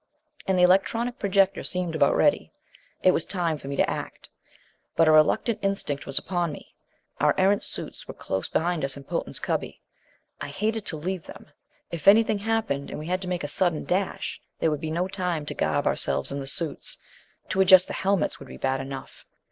And the electronic projector seemed about ready. It was time for me to act. But a reluctant instinct was upon me. Our Erentz suits were close behind us in Potan's cubby. I hated to leave them. If anything happened, and we had to make a sudden dash, there would be no time to garb ourselves in the suits. To adjust the helmets would be bad enough.